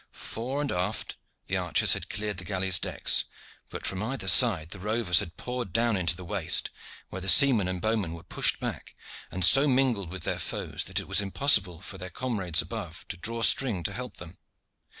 Fore and aft the archers had cleared the galleys' decks, but from either side the rovers had poured down into the waist, where the seamen and bowmen were pushed back and so mingled with their foes that it was impossible for their comrades above to draw string to help them.